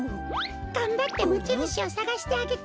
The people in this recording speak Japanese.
がんばってもちぬしをさがしてあげて。